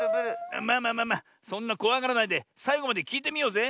まあまあそんなこわがらないでさいごまできいてみようぜ。